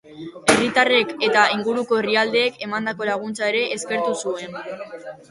Herritarrek eta inguruko herrialdeek emandako laguntza ere eskertu zuen.